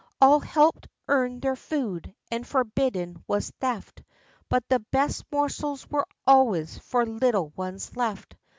All helped earn their food, and forbidden was theft; But the best morsels were always for little ones left.